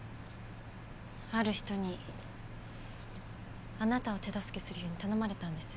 ある人にあなたを手助けするように頼まれたんです。